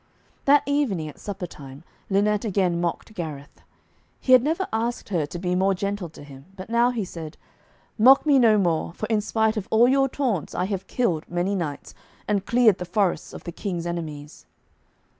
That evening at supper time, Lynette again mocked Gareth. He had never asked her to be more gentle to him, but now he said, 'Mock me no more, for in spite of all your taunts I have killed many knights, and cleared the forests of the King's enemies.'